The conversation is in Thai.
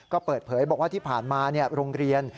ก็เปิดเผยบอกว่าที่ผ่านมาโรงเรียน